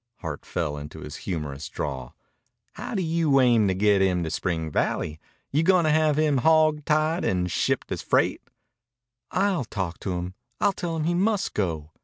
Hart fell into his humorous drawl. "How do you aim to get him to Spring Valley? You goin' to have him hawg tied and shipped as freight?" "I'll talk to him. I'll tell him he must go."